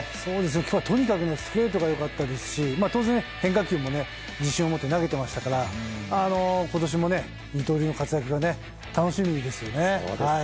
今日はとにかくストレートが良かったですし当然、変化球も自信を持って投げてましたから今年も二刀流の活躍が楽しみですよね。